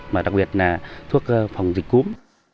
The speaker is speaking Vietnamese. mà đặc biệt là thuốc phòng dịch cúm